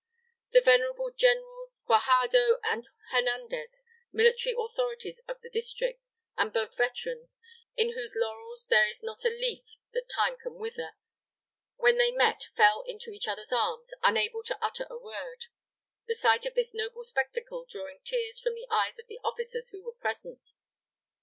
The venerable Generals Guajardo and Hernandez, military authorities of the district, and both veterans, in whose laurels there is not a leaf that time can wither, when they met fell into each other's arms, unable to utter a word; the sight of this noble spectacle drawing tears from the eyes of the officers who were present.